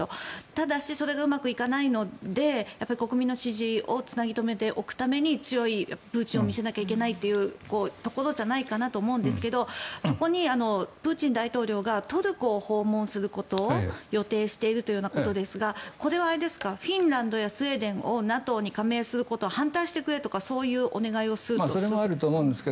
ただしそれがうまくいかないので国民の支持をつなぎ留めておくために強いプーチンを見せなきゃいけないというところだと思いますがそこにプーチン大統領がトルコを訪問することを予定しているということですがこれはフィンランドやスウェーデンをＮＡＴＯに加盟することを反対してくれとかそういうお願いをするということですか。